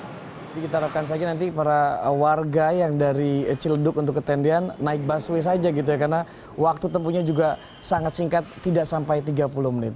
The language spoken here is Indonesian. jadi kita harapkan saja nanti para warga yang dari cileduk untuk ketendean naik busway saja gitu ya karena waktu tempuhnya juga sangat singkat tidak sampai tiga puluh menit